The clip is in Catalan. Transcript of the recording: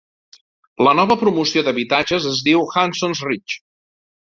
La nova promoció d'habitatges es diu Hanson's Reach.